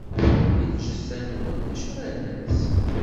Neɣ i lǧetta-nwen: D acu ara nels?